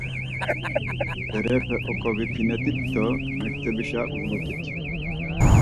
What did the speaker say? Berepe oǩovipinet̆it do mektebişe vulut̆it.